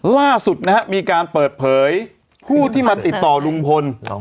ล่าสุดนะฮะมีการเปิดเผยผู้ที่มาติดต่อลุงพล